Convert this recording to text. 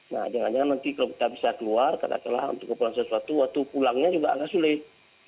nah jangan jangan nanti kalau kita bisa keluar katakanlah untuk keperluan sesuatu waktu pulangnya juga agak sulit